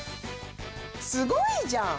すごいじゃん！